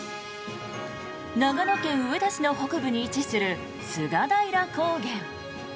長野県上田市の北部に位置する菅平高原。